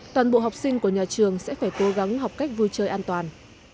toàn bộ học sinh của nhà trường sẽ phải cố gắng học cách vui chơi an toàn